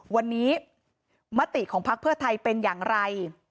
วันนี้มติของพักเพื่อไทยเป็นอย่างไร